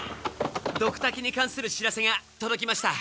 ドクタケにかんする知らせがとどきました。